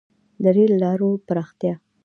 • د رېل لارو پراختیا.